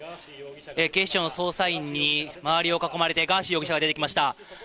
警視庁の捜査員に周りを囲まれてガーシー容疑者が出てきました。